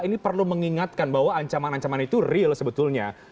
ini perlu mengingatkan bahwa ancaman ancaman itu real sebetulnya